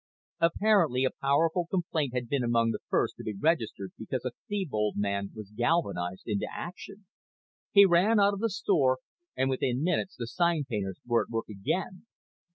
Apparently a powerful complaint had been among the first to be registered because a Thebold man was galvanized into action. He ran out of the store and within minutes the sign painters were at work again.